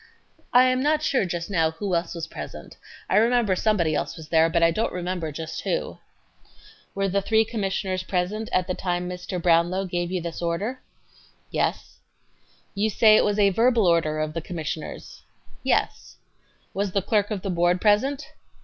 A. I am not sure just now who else was present. I remember somebody else was there, but I don't remember just who .... Q. Were the three commissioners present at the time Mr. [Commissioner] Brownlow gave you this order? A. Yes. Q. You say it was a verbal order of the Commissioners? A. Yes. Q. Was the clerk of the Board present?